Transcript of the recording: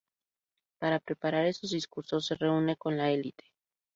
para preparar esos discursos se reúne con la élite